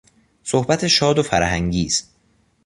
صحبت شاد و فرحانگیز